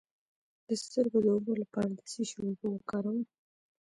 د سترګو د اوبو لپاره د څه شي اوبه وکاروم؟